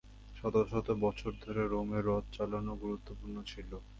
শত শত বছর ধরে রোমে রথ চালানো গুরুত্বপূর্ণ ছিল।